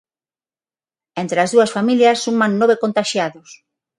Entre as dúas familias suman nove contaxiados.